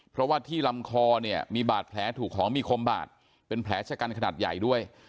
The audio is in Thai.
เพราะว่าที่ลำคอเนี่ยมีบาดแผลถูกของมีคมบาดเป็นแผลชะกันขนาดใหญ่ด้วย